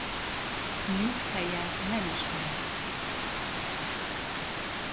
Nyughelye nem ismert.